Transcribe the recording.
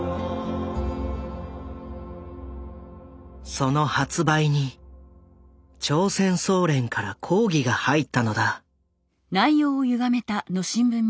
その発売に朝鮮総連から抗議が入ったのだ。